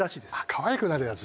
かわいくなるやつだ。